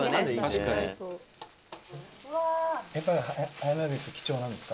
「やっぱり葉山牛って貴重なんですか？」